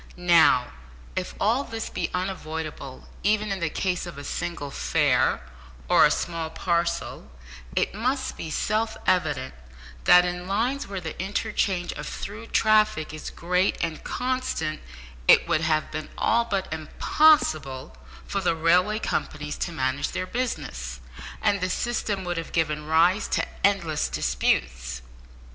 Now, if all this be unavoidable even in the case of a single fare, or a small parcel, it must be self evident that in lines where the interchange of through traffic is great and constant, it would have been all but impossible for the railway companies to manage their business, and the system would have given rise to endless disputes.